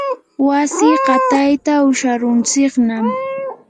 wasi qatayta usharuntsiknam.